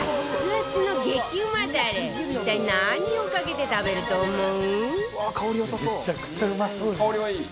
一体何をかけて食べると思う？